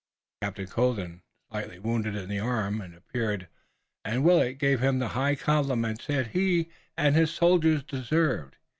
Captain Colden, slightly wounded in the arm, appeared and Willet gave him the high compliments that he and his soldiers deserved.